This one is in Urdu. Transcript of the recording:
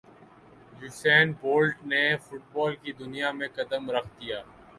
یوسین بولٹ نے فٹبال کی دنیا میں قدم رکھ دیا